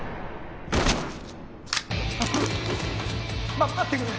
ま待ってくれ！